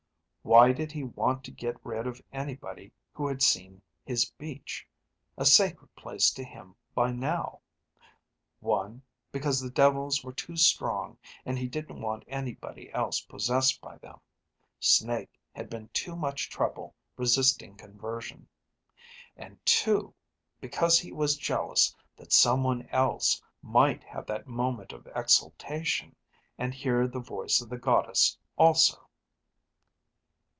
Why did he want to get rid of anybody who had seen his beach, a sacred place to him by now? One, because the devils were too strong and he didn't want anybody else possessed by them; Snake had been too much trouble resisting conversion. And two, because he was jealous that someone else might have that moment of exaltation and hear the voice of The Goddess also."